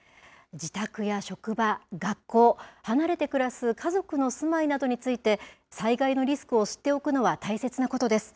自宅や職場、学校、離れて暮らす家族の住まいなどについて、災害のリスクを知っておくのは大切なことです。